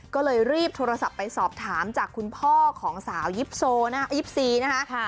ก็เลยรีบโทรศัพท์ไปสอบถามจากคุณพ่อของสาวยิปโซนะคะ๒๔นะคะ